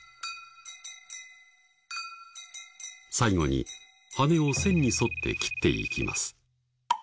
最後に羽を線に沿って切っていきます。